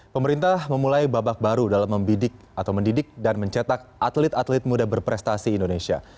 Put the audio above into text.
pemerintah memulai babak baru dalam membidik atau mendidik dan mencetak atlet atlet muda berprestasi indonesia